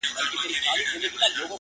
که له دې زړونو مو نن توره بلا کرکه لاړه